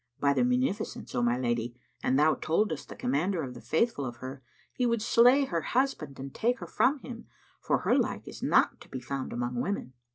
By the munificence, O my lady, an thou toldest the Commander of the Faithful of her, he would slay her husband and take her from him, for her like is not to be found among women.